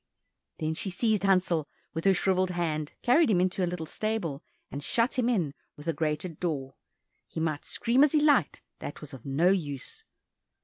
Then she seized Hansel with her shrivelled hand, carried him into a little stable, and shut him in with a grated door. He might scream as he liked, that was of no use.